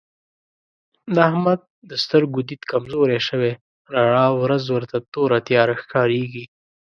د احمد د سترګو دید کمزوری شوی رڼا ورځ ورته توره تیاره ښکارېږي.